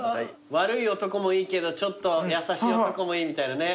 悪い男もいいけどちょっと優しい男もいいみたいなね。